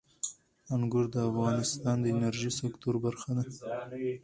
انګور د افغانستان د انرژۍ سکتور برخه ده.